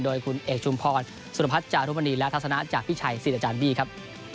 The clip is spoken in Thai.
โดยคุณเอกชุมพรสุรพัฒน์จารุมณีและทัศนะจากพี่ชัยสิทธิ์อาจารย์บี้ครับ